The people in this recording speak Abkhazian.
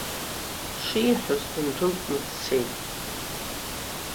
Шиҳәоз дындәылҵны дцеит.